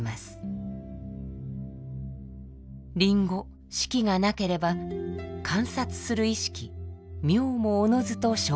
リンゴ色がなければ観察する意識名もおのずと消滅します。